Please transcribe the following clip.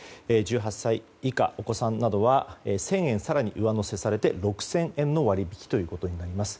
１８歳以下、お子さんなどは１０００円更に上乗せされて６０００円の割引となります。